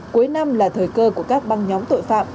cuối năm là thời cơ của các băng nhóm tội phạm